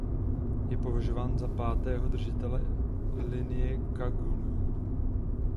Je považován za pátého držitele linie Kagjü.